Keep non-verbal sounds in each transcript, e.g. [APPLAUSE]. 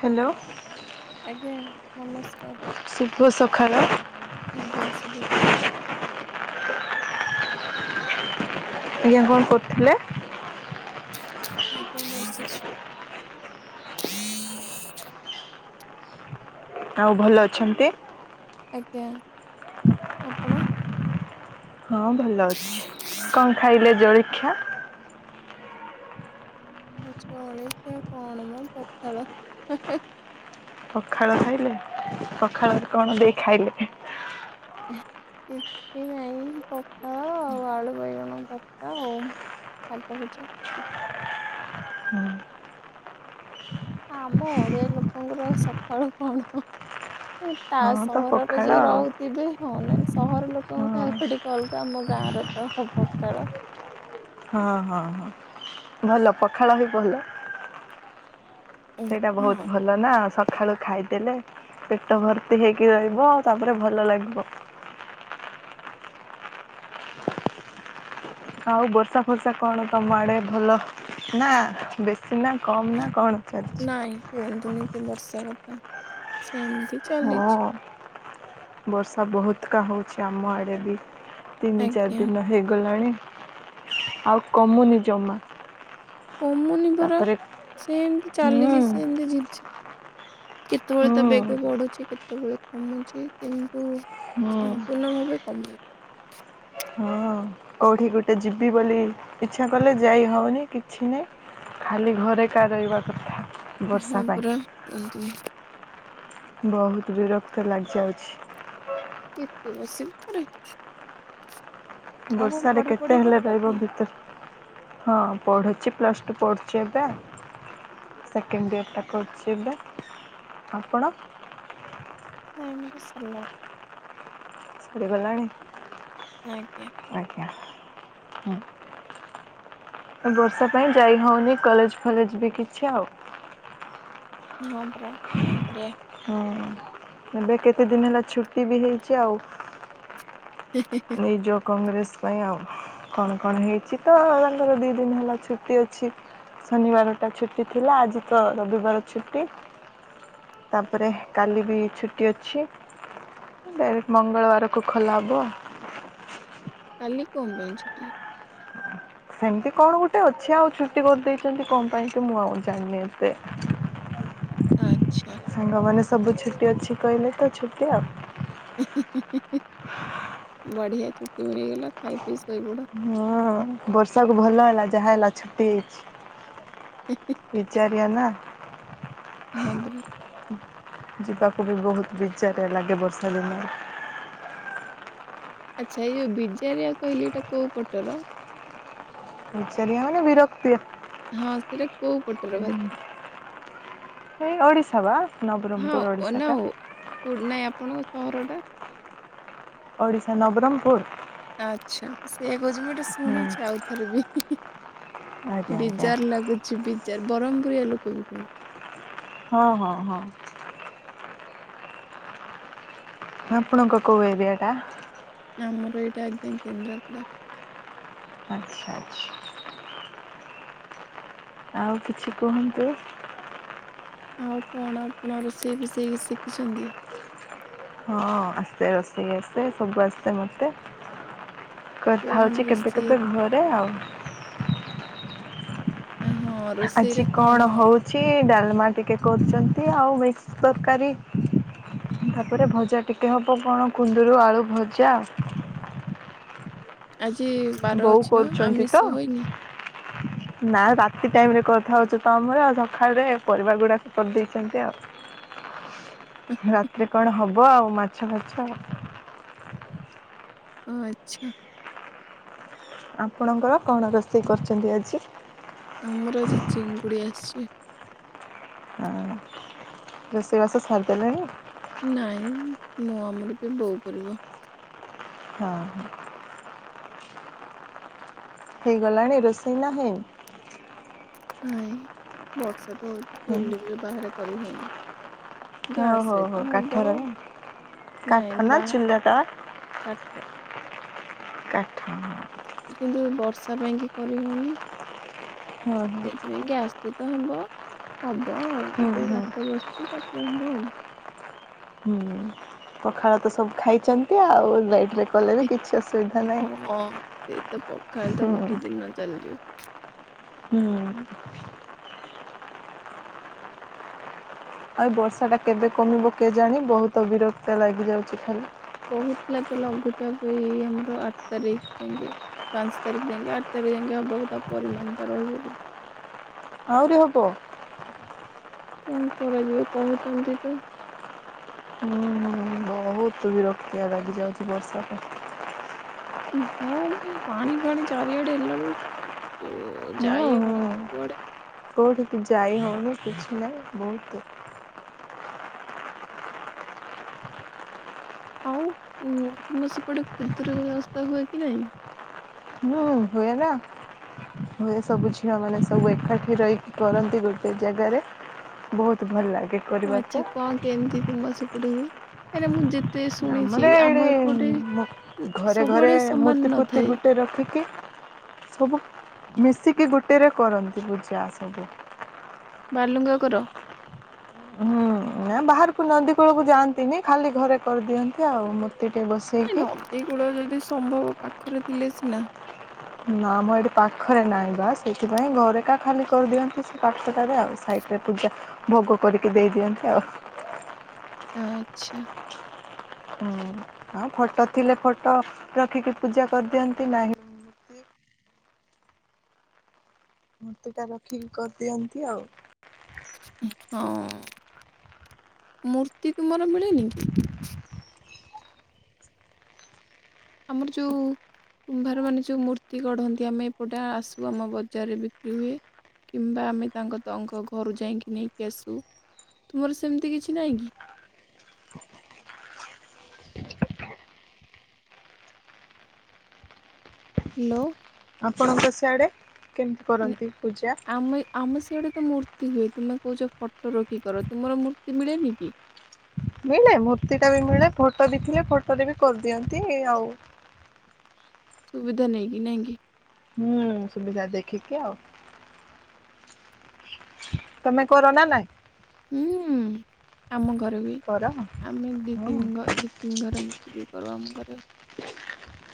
Hello. ଆଜ୍ଞା ନମସ୍କାର। ଶୁଭ ସକାଳ। ଆଜ୍ଞା ଶୁଭ ସ ଆଜ୍ଞା କଣ କରୁଥିଲେ? ଆଜ୍ଞା ବସିଛି। ହ ଆଉ ଭଲ ଅଛନ୍ତି? ଆଜ୍ଞା ଆପଣ? ହଁ ଭଲ ଅଛି କଣ ଖାଇଲେ ଜଳିଖିଆ? ଜଳିଖୀଆ କଣ ମ ପଖାଳ। ପଖାଳ ଖାଇଲେ ପଖାଳରେ କଣ ଦେଇ ଖାଇଲେ? କିଛି ନାଇଁ ପଖାଳ ଆଉ ଆଳୁ ବାଇଗଣ ବତା ଆଉ ଶାଗ ଭଜା। ଆମ ଓଡିଆ ଲୋକଙ୍କର ସକାଳୁ କଣ ତା ହଁ ତ ସହରରେ ପଖାଳ ଯିଏ ଆଉ। ରହୁ ତେବେ ହଉ ନାଇଁ ସହର ଲୋକଙ୍କ ହଁ ଖାଇବା ଟିକେ ଅଲଗା ଆମ ଗାଁ ର ତ ହ ପଖାଳ। ହଁ ହଁ ହଁ ଭଲ ପଖାଳ ବି ଭଲ। ସେଇଟା ବହୁତ ହଁ ଭ ଭଲ ନା ସକାଳୁ ଖାଇଦେଲେ ପେଟ ଭର୍ତ୍ତି ହେଇକି ରହିବ ତାପରେ ଭଲ ଲାଗିବ। ଆଉ ବର୍ଷା ଫର୍ଷା କଣ ତମ ଆଡେ ଭଲ ନା ବେଶୀ? ସିନା କମ୍ ନା କଣ ଚାଲିଛି। ନାଇଁ କୁହନ୍ତୁନି ସେ ବର୍ଷା କଥା। ସେମତି। ହଁ ବର୍ଷା ବହୁତକା ହଉଛି ଆମ ଆଡ଼େ ବି। ତିନି ଚାରି ଆଜ୍ଞା। ଦିନ ହେଇଗଲାଣି ଆଉ କମୁନି ଜମା। କମୁନି ପରା ତାପରେ ସେମିତି ହୁଁ ଚାଲିଛି ସେମତି ଝିପ ଝିପ୍ କେତେବେଳେ ତା ହୁଁ ବେଗ ବଢୁଛି କେତେବେଳେ କମୁଛି କିନ୍ତୁ ହୁଁ ସମ୍ପୂର୍ଣ୍ଣ ଭାବେ କମୁନି। ହଁ। କୋଉଠି ଗୋଟେ ଯିବି ବୋଲି ଇଚ୍ଛା କଲେ ଯାଇ ହଉନି କିଛି ନାହିଁ। ଖାଲି ଘରେ ଏକା ରହିବା କଥା। ବର୍ଷା ହଁ ପାଇଁ ପରା କୁହାନ୍ତୁନି। ବହୁତ ବିରକ୍ତ ଲାଗିଯାଉଛି। କେତେ ବସିବ ପରେ। ଆଉ କଣ ବର୍ଷାରେ କେତେ ପଢାପଢି ହେଲେ ରହିବ କରୁଛନ୍ତି ଭିତରେ। ହଁ ପଢୁଛି ପ୍ଲସ୍ ଟୁ ପଢୁଛି ଏବେ। ସେକେଣ୍ଡ ଇୟର୍ଟା କରୁଛି ବା। ଆପଣ? ନାଇଁ ମୋର ସାରିଲାଣି। ସରିଗଲାଣି। ଆଜ୍ଞା। ଆଜ୍ଞା ହୁଁ। ବର୍ଷା ପାଇଁ ଯାଇ ହଉନି କଲେଜ ଫଲେଜ ବି କିଛି ଆଉ। ହଁ ପରା କଣ କରିଆ। ହୁଁ ଏବେ କେତେ ଦିନ ହେଲା ଛୁଟି ବି ହେଇଛି ଆଉ। କରିବା ନି ଯୋ କଂଗ୍ରେସ ପାଇଁ ଆଉ କଣ କଣ ହେଇଛି ତ ତାଙ୍କର ଦି ଦିନ ହେଲା ଛୁଟି ଅଛି। ଶନିବାର ଟା ଛୁଟି ଥିଲା ଆଜି ତ ରବିବାର ଛୁଟି। ତାପରେ କାଲି ବି ଛୁଟି ଅଛି। ମଙ୍ଗଳବାରକୁ ଖୋଲା ହବ ଆଉ। କାଲି କ ଣ ପାଇଁ ଛୁଟି? ସେମିତି କଣ ଗୋଟେ ଅଛି ଆଉ ଛୁଟି କରିଦେଇଛନ୍ତି କଣ ପାଇଁ କି ମୁଁ ଆଉ ଜାଣିନି ଏତେ। ଆଚ୍ଛା। ସାଙ୍ଗମାନେ ସବୁ ଛୁଟି ଅଛି କହିଲେ ତ ଛୁଟି ଆଉ। ବଢିଆ ଚୁଟି ମିଳିଗଲା ଖାଇ ପିଇ ଶୋଇପଡ଼। ହଁ ବର୍ଷକୁ ଭଲ ହେଲା ଯାହା‌ ହେଲା ଛୁଟି ହେଇ ଯାଇଛି। ହିଁ ହିଁ। ବିଚାରିଆ ନା। ହଁ ପରା। ଯିବାକୁ ବି ବହୁତ ବିଚାରିଆ ଲାଗେ ବର୍ଷା ଦିନରେ। ଆଚ୍ଛା ଏଇ ଯୋଉ ବିଜାରିଆ କହିଲି ଏଇଟା କୋଉ ପଟର? ବିଚାରିଆ ମନେ ବିରକ୍ତି। ହଁ ସେଟା କୋଉ ପଟ ହୁଁ। ଏଇ ଓଡ଼ିଶା ବା। ନବରଙ୍ଗପୁର ଓଡିଶା ହଁନା ଟା। ହଉ ନାଇଁ ଆପଣଙ୍କ ସହର ଟା? ଓଡ଼ିଶା ନବରଙ୍ଗପୁର? ଆଚ୍ଛା ସେଇଆା କହୁଛି ମୁଁ ଏଟା ହୁଁ ଶୁଣିଛି ଆଉଥରେ ବି। ଆଜ୍ଞା ଆଜ୍ଞା। ବିଜାର ଲାଗୁଛି ବିଜାର ବ୍ରହ୍ମପୁରିଆ ଲୋକ ବି କୁହନ୍ତି। ହଁ ହଁ ହଁ। ଆପଙ୍କ କୋଉ ଏରିଆଟା? ଆ ମମର ଏଇଟା ଆଜ୍ଞା କେନ୍ଦ୍ରାପଡା। ଆଚ୍ଛା ଆଚ୍ଛା। ଆଉ କିଛି କୁହନ୍ତୁ? ଆଉ କଣ ଆପଣ ରୋଷେଇ ଫୋଷେଇ ଶିଖିଛନ୍ତି। ହଁ ଆସେ ରୋଷେଇ ଆସେ ସବୁ ଆସେ ମୋତେ କରିଥା କଣ ହଉଛି କେବେ ରୋଷେଇ କେବେ ଘରେ ଆଉ। ଓ ହଁ। ଆଜି କଣ ହଉଛି? କିଛି ଡାଲମା ଟିକେ କରୁଛନ୍ତି ଆଉ ମିକ୍ସ ତରକାରୀ ତାପରେ ଭଜା ଟିକେ ହବ କଣ କୁନ୍ଦୁରୁ ଆଳୁ ଭଜା। ଆଜି ବାର ଅଛି ବା ଆମିଷ ହୋଇନି? ହ ନା ରାତି ଟାଇମି ରେ କରିଥା ହଉଚୁତ ଆମ ଆଉ ସକାଳରେ ପରିବା ଗୁଡାକ କରିଦେଇଛନ୍ତି ଆଉ। ରାତିରେ କଣ ହବ ଆଉ ମାଛ ଫାଛ ଆଉ। ଓ ଆଚ୍ଛା। ଆପଣଙ୍କର କଣ ରୋଷେଇ କରିଛନ୍ତି ଆଜି? ଆମର ଆଜି ଚିଙ୍ଗୁଡି ଆସିଛି। ଆଉ। ରଷେଇ ବାସ ସାରିଦଲେଣି। ନାଇଁ ମୁଁ ଆମର ବି ବୋଉ କରିବ। ହଁ ହୁଁ। ହେଇଗଲାଣି ରୋଷେଇ ନା ହେଇନି? ନାଇଁ ବର୍ଷା ତ ହଉଛି ହୁଁ ଚୁଲିରୁ ବାହାରେ କରି ହଉନି। ହଉ ଗ୍ୟାସ ହଉ ରେ ତ ହଉ ହବ କାଠର ନା କାଠ ନାଇଁ ନା ବା ଚୁଲାଟା? କାଟ। କାଠ ହିଁ। କିନ୍ତୁ ବର୍ଷା ପାଇଁ କି କରି ହଉନି। ହଁ ହଁ ସେଇଥିପାଇଁ ଗ୍ୟାସ ରେ ତ ହବ ହବ ଆଉ ହୁଁ ଏବେ ହୁଁ। ଭାତ ବସିଛି ତାପରେ ହବ ଆଉ। ହୁଁ ପଖାଳ ତ ସବୁ ଖାଇଛନ୍ତି ଆଉ ଲେଟ୍ ରେ କଲେ ବି କିଛି ଅସୁବିଧା ନାହିଁ ହୁଁ। ନା ଚାଲିଯିବ ହୁଁ। ଆଉ ବର୍ଷା ଟା କେବେ କମିବ କେଜାଣି ବହୁତ ବିରକ୍ତ ଲାଗି ଯାଉଛି ଖାଲି। କହୁଥିଲା ତ ଲଘୁଚାପ୍ ଏଇ ଆମର ଆଠ ତାରିଖ ଜାଙ୍ଗେ। ପାଞ୍ଚ ତାରିଖ ଯାଙ୍ଗେ ଆଠ ତାରିଖ ଯାଙ୍ଗେ ହବ ତା ପରିମାଣ ଟା ରହିବ ଆହୁରି ହବ? କଣ କରାଯିବ କହୁଛନ୍ତି ତ। ହୁଁଁ ହୁଁ ବହୁତୁ ବିରକ୍ତିଆ ଲାଗିଯାଉଛି ବର୍ଷା ପାଇଁ। ହଁ ଏ ପାଣି ଫାଣି ଚାରିଆଡେ ହେଲା ବେଳକୁ ଯୋଉ ହୁଁ ହୁଁ କୋଉଠିକି ଯାଇ ହଉନି କିଛି ନାହିଁ ବହୁତୁ ଆଉ ଉଁ ତମ ସେପଟେ ଖୁଦୁରୁକୁଣୀ ଓଷା ହୁଏ କି ନାଇଁ? ହୁଁ ହୁଏ ନା। ହୁଏ ସବୁ ଝିଅମାନେ ସବୁ ଏକାଠି ରହିକି କରନ୍ତି ଗୋଟେ ଜାଗାରେ। ବହୁତୁ ଭଲ ଲାଗେ। କରିବାକୁ ଆଚ୍ଛା କଣ କେମିତି ତୁମ ସେପଟେ ହୁଏ? କାଇଁ ନା ମୁଁ ଯେତେ ଶୁଣିଛି ଆମର ଆମ ଏଇଠି ଏପଟେ ମୁ ଘରେ ଘରେ ସବୁଆଡେ ମୂର୍ତ୍ତି ସମାନ ଫୂର୍ତ୍ତି ନଥାଏ। ଗୋଟେ ରଖିକି ସବୁ ମିଶିକି ଗୋଟେରେ କରନ୍ତି ପୂଜା ସବୁ। ବାଲୁଙ୍ଗା କର? ହୁଁ ନା ବାହାରକୁ ନଦୀ କୂଳକୁ ଯାଆନ୍ତିନି ଖାଲି ଘରେ କରିଦିଅନ୍ତି ଆଉ ମୂର୍ତ୍ତି ଟେ ବସି ନାଇଁ ନନ୍ଦୀ କୂଳ ଯଦି ସମ୍ଭବ ପାଖରେ ଥିଲେ ସିନା। ନା ମ ଏଠି ପାଖରେ ନାହିଁ ବା ସେଇଥିପାଇଁ ଘରେକା ଖାଲି କରିଦିଅନ୍ତି ସେ ପାଖଟାରେ ଆଉ ସାଇଟ୍ ରେ ପୂଜା ଭୋଗ କରିକି ଦେଇ ଦିଅନ୍ତି ଆଉ। ଆ ଆଚ୍ଛା। ହୁଁ ଆଁ ଫଟୋ ଥିଲେ ଫଟୋ ରଖିକି ପୂଜା କରିଦିଅନ୍ତି ନାହିଁ ମୂର୍ତ୍ତି ମୂର୍ତ୍ତି ଟା ରଖିକି କରିଦିଅନ୍ତି ଆଉ। ହଁ ମୂର୍ତ୍ତି ତୁମର ମିଳେନି କି? ଆମର ଯୋଉ କୁମ୍ଭାର ମାନେ ଯୋଉ ମୂର୍ତ୍ତି ଗଢନ୍ତି ଆମେ ଏପଟେ ଆସୁ ଆମ ବଜାରରେ ବିକ୍ରି ହୁଏ। କିମ୍ବା ଆମେ ତାଙ୍କ ତଙ୍କ ଘରୁ ଯାଇକି ନେଇକି ଆସୁ ତୁମର ସେମିତି କିଛି ନାହିଁ କି? ହାଲୋ। ଆପଣଙ୍କ ସିଆଡ଼େ କେମିତି କରନ୍ତି ପୂଜା? ଆମେ ଆମ ସିଆଡେ ତ ମୂର୍ତ୍ତି ହୁଏ। ତୁମେ କହୁଛ ଫଟୋ ରଖିକି କର ତୁମର ମୂର୍ତ୍ତି ମିଳେନି କି? ମିଳେ ମୂର୍ତ୍ତି ଟା ବି ମିଳେ ଫଟୋ ବି ଥିଲେ ଫଟୋ ରେ ବି କରିଦିଅନ୍ତି ଆଉ। ସୁବିଧା ନେଇକି ନା କି? ହୁଁ ସୁବିଧା ଦେଖିକି ଆଉ। ତମେ କର ନା ନାଇଁ। ହୁଁ ଆମ ଘରେ ବି କର ହଁ ଆମେ ଦିଇ ହୁଁ ତିନି ଦି ଘରେ ମିଶିକି କରୁ ଆମ ଘରେ।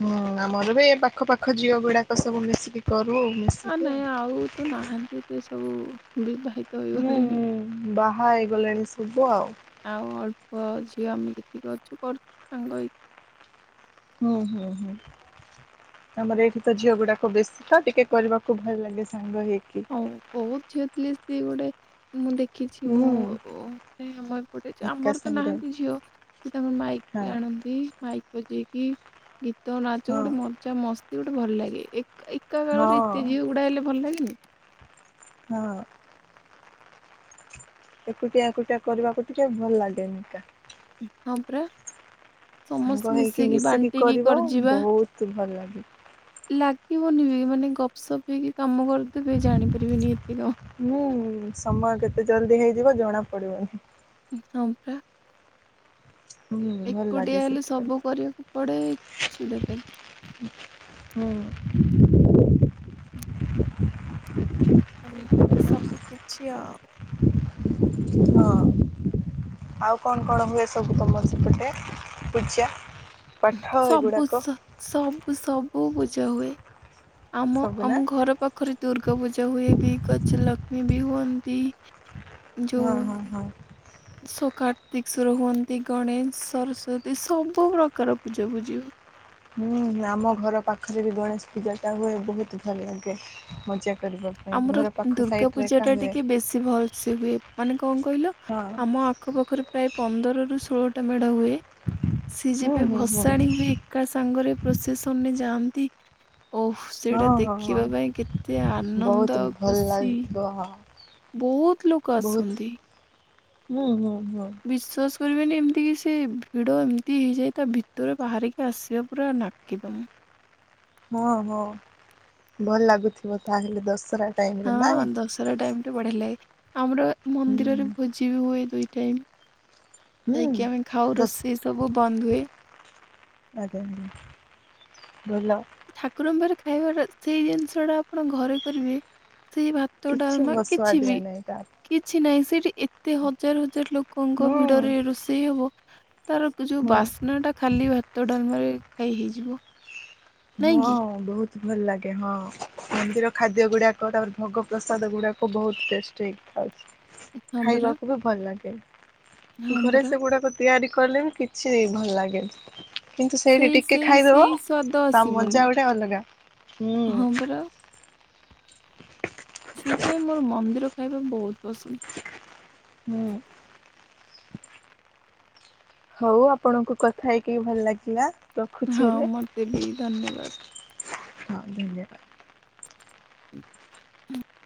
ହୁଁ ଆମର ବି ପାଖ ପାଖ ଝିଅ ଗୁଡାକ ସବୁ ମିଶିକି କରୁ। ଆ ନାଇଁ ଆଉ ତ ନାହାନ୍ତି ସେ ସବୁ ବିବାହି ହୁଁ ହୁଁ ବାହା ହେଇଗଲାଣି ସବୁ ଆଉ। ଆଉ ଅଳ୍ପ ଝିଅ ଆମେ ଯେତିକି ଅଛୁ କରୁଚୁ ସାଙ୍ଗ ହେଇକି। ହୁଁ ହୁଁ ହୁଁ। ଆମର ଏଇଠି ତ ଝିଅ ଗୁଡାକ ବେଶୀ ତ ଟିକେ କରିବାକୁ ଭଲ ଲାଗେ ସାଙ୍ଗ ହେଇକି। ଓ ବହୁତ ଝିଅ ଥିଲେ ସେ ଗୋଟେ ମୁଁ ଦେଖିଛି ହୁଁ ମୁଁ। ନାଇ ଆମ ଏପଟେ ଏକା ଆମର ତ ସାଙ୍ଗରେ ନାହାନ୍ତି ଝିଅ ସେ ତାଙ୍କର ହଁ ମାଇକି ଆଣନ୍ତି ମାଇକ୍ ବଜେଇକି ଗୀତ ନାଚ ହଁ ଗୋଟେ ମଜା ମସ୍ତି ଗୋଟେ ଭଲ ଲାଗେ। ଏକା ଏକ ହଁ [UNINTELLIGIBLE] ଭଲ ଲାଗେନି। ହଁ। ଏକୁଟିଆ ଏକୁଟିଆ କରିବାକୁ ଟିକେ ଭଲ ଲାଗେନି ହଁ ପରା ସାଙ୍ଗ ସମସ୍ତେ ହେଇକି ମିଶିକି ବାଣ୍ଟିକି କରିବ କରିିଯିବା। [UNINTELLIGIBLE] ଭଲ ଲାଗେ ଲାଗିବନି ବି ମାନେ ଗପସପ୍ ହେଇକି କାମ କରିଦେବେ ଜାଣିପାରିବେନି ଏତେ କାମ। ହୁଁ ସମୟ କେତେ ଜଲଦି ହେଇଯିବ ଜଣା ପଡିବନି। ହଁ ପରା। ହୁଁ ଭଲ ଲାଗେ ଏକୁଟିଆ ହେଲେ ସେଥିପାଇଁ ସବୁ କରିବାକୁ ପଡେ ଚିଡା ଲାଗେ। ହୁଁ ସବୁ କିଛି ଆଉ ହଁ ଆଉ କଣ କଣ ହୁଏ ସବୁ ତମ ସେପଟେ ପୂଜା ପାଠ ସବୁ ଏଗୁଡାକ ସବୁ ସବୁ ପୂଜା ହୁଏ ଆମ ସବୁ ନା ଆମ ଘର ପାଖରେ ଦୁର୍ଗା ପୂଜା ହୁଏ ବି ଗଜଲକ୍ଷ୍ମୀ ବି ହୁଅନ୍ତି ହଁ ହଁ ହଁ କାର୍ତ୍ତିକସ୍ୱର ହୁଅନ୍ତି ଗଣେଶ ସରସ୍ଵତୀ ସବୁ ପ୍ର୍ରକାର ପୂଜାପୂଜି ହୁଏ ହୁଁ ଆମ ଘର ପାଖରେ ବି ଗଣେଶ ପୂଜାଟା ହୁଏ ବହୁତ ଭଲ ଲାଗେ ମଜା କରିବା- ପାଇଁ ଆମର ଘର ପାଖ ଦୁର୍ଗା ସାଇଡରେ ଏକା ପୂଜାଟା ହୁଏ ଟିକେ ବେଶୀ ଭଲ ସେ ହୁଏ ମାନେ କଣ କହିଲ ହଁ ଆମ ଆଖପାଖରେ ପ୍ରାୟ ପନ୍ଦରରୁ ଷୋହଳଟା ମେଢ ହୁଏ ସି ହୁଁ ଯେବେ ହୁଁ ହୁଁ ଭସାଣି ହୁଏ ଏକା ସାଙ୍ଗରେ ପ୍ରସେସନରେ ଯାଆନ୍ତି ଓଃ ହଁ ସେଇଟା ହଁ ହଁ ଦେଖିବା ପାଇଁ କେତେ ଆନନ୍ଦ ବହୁତ ଆଉ ଭଲ ଖୁସି। ଲାଗିବ ବହୁତ ଲୋକ ଆସନ୍ତି ହୁଁ ହୁଁ ହୁଁ ବିଶ୍ୱାସ କରିବେନି ଏମିତିକି ସେ ଭିଡ଼ ଏମିତି ହେଇଯାଏ ତା ଭିତରେ ବାହାରିକି ଆସିବା ପୁରା ନାକେଦମ ହଁ ହଁ ଭଲ ଲାଗୁଥିବ ତାହେଲେ ଦଶହରା ଟାଇମରେ ନାଇଁ ଟାଇମରେ ବଢିଆ ଲାଗେ ଆମର ହୁଁ ମନ୍ଦିରରେ ଭୋଜି ବି ହୁଏ ଦୁଇ ଟାଇମ ହୁଁ ଯାଇକି ଆମେ ଖାଉ ଦଶ ରୋଷେଇ ସବୁ ବନ୍ଦ ହୁଏ ଭଲ ଠାକୁରଙ୍କରେ ଖାଇବାଟା ସେଇ ଜିନିଷ ଟା ଆପଣ ଘରେ କରିବେ ସେଇ ଭା - ଭାତ କିଛି ଡାଲମା ଭସୁଆ କିଛି ଦିଆ ବି ନାହିଁ କାହାକୁ କିଛି ନାହିଁ ସେଠି ଏତେ ହଜାର ହଜାର ଲୋକଙ୍କ ହୁଁ ଭିଡରେ ରୋଷେଇ ହବ ତାର ଯଉ ହୁଁ ବାସ୍ନା ଟା ଖାଲି ଭାତ ଡାଲମାରେ ଖାଇ ହେଇଯିବ ନାଇଁ ହଁ କି ବହୁତ ଭଲ ଲାଗେ ହଁ ମନ୍ଦିର ଖାଦ୍ୟ ଗୁଡାକ ତାପରେ ଭୋଗ ପ୍ରସାଦ ଗୁଡାକ ବହୁତ ଟେଷ୍ଟ ହେଇ ଖାଉଛି ହଁ ପରା ଖାଇବାକୁ ବି ଭଲ ଲାଗେ ହଁ ଘରେ ପରା। ସେଗୁଡା କଥା ତିଆରି କଲେ ବି କିଛି ଭଲ ଲାଗେନି କିନ୍ତୁ ସେଇଠି ସେଇ ଟିକେ ସେଇ ଖାଇଦେବ ସେଇ ସ୍ଵାଦ ତା ଆସିବନି ମଜା ଗୋଟେ ଅଲଗା ହଁ ହୁଁ ପରା ସେଇଥିପାଇଁ ମୋର ମନ୍ଦିର ଖାଇବା ବହୁତ ପସନ୍ଦ ହୁଁ ହଉ ଆପଣଙ୍କୁ କଥା ହେଇକି ଭଲ ଲାଗିଲା ରଖୁଚ଼ି ହଁ ଏବେ। ମତେ ବି ଧନ୍ୟବାଦ। ହଁ ଧନ୍ୟବାଦ। [INAUDIBLE]